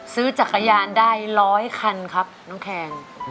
ซื้อจักรยานได้๑๐๐คันครับน้องแคน